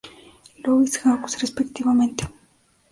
Louis Hawks respectivamente.